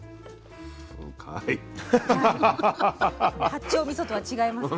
八丁みそとは違います？